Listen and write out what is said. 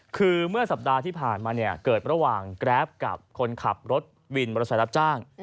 คือเมื่อสัปดาห์ที่ผ่านมาเนี่ยเกิดระหว่างแกรฟกับคนขับรถวินมอเตอร์ไซค์รับจ้าง